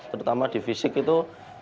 terutama di fisik itu